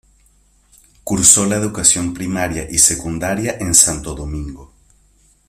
Cursó la educación primaria y secundaria en Santo Domingo.